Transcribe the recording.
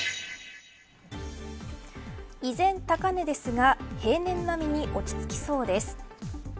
依然、高値ですが平年並みに落ち着きそうです。